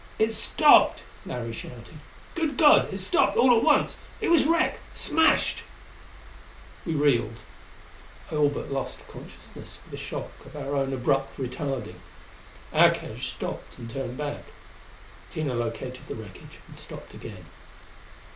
"It stopped!" Larry shouted. "Good God, it stopped all at once! It was wrecked! Smashed!" We reeled; I all but lost consciousness with the shock of our own abrupt retarding. Our cage stopped and turned back. Tina located the wreckage and stopped again.